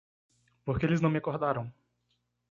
Por que eles não me acordaram?